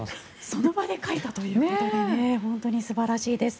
その場で描いたということで本当に素晴らしいです。